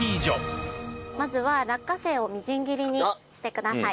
まずは落花生をみじん切りにしてください。